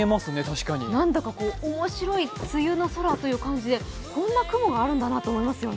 なんだか面白い梅雨の空という感じでこんな雲があるんだなと思いますよね。